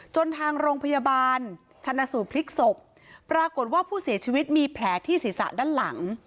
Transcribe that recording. ทางโรงพยาบาลชนะสูตรพลิกศพปรากฏว่าผู้เสียชีวิตมีแผลที่ศีรษะด้านหลัง